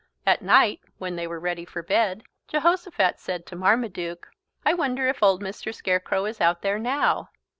At night, when they were ready for bed, Jehosophat said to Marmaduke: "I wonder if old Mr. Scarecrow is out there now."